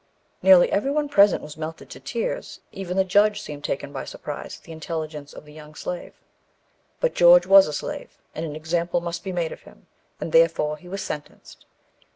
Nearly every one present was melted to tears; even the judge seemed taken by surprise at the intelligence of the young slave. But George was a slave, and an example must be made of him, and therefore he was sentenced.